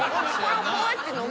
こうやって飲むという。